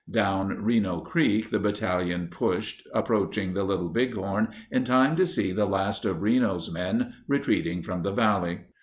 Down Reno Creek the battalion pushed, approaching the 68 Little Bighorn in time to see the last of Reno's men retreating from the valley.